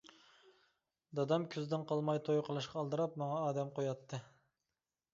دادام كۈزدىن قالماي توي قىلىشقا ئالدىراپ ماڭا ئادەم قوياتتى.